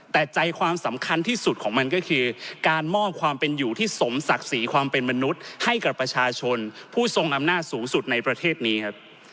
แต่ใจความสำคัญที่สุดของมันก็คือการมอบความเป็นอยู่ที่สมศักดิ์ศรีความเป็นมนุษย์ให้กับประชาชนผู้ทรงอำนาจสูงสุดในประเทศนี้ครับ